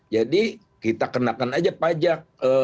jadi kita kenakan aja pajak